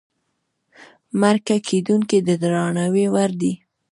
مرکه کېدونکی د درناوي وړ دی.